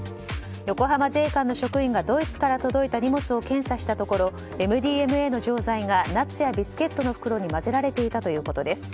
横浜税関の職員がドイツから届いた荷物を検査したところＭＤＭＡの錠剤がナッツやビスケットの袋に混ぜられていたということです。